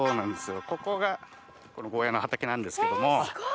ここがゴーヤーの畑なんですけども。